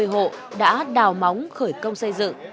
một mươi hộ đã đào móng khởi công xây dựng